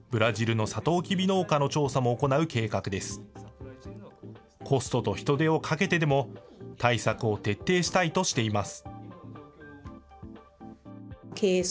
コストと人手をかけてでも、対策を徹底したいとしています。